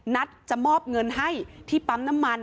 นัดจะมอบเงินให้ที่ปั๊มน้ำมัน